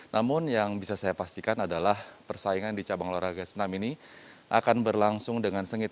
namun yang bisa saya pastikan adalah persaingan di cabang olahraga senam ini akan berlangsung dengan sengit